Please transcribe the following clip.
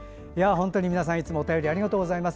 本当に皆さんいつもお便りありがとうございます。